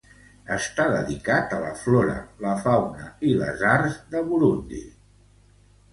Està dedicat a la flora, la fauna i les arts de Burundi.